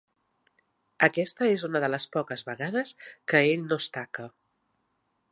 Aquesta és una de les poques vegades que ell no es taca.